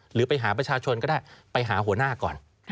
หรือไปหาประชาชนก็ได้ไปหาหัวหน้าก่อน